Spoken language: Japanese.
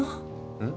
うん？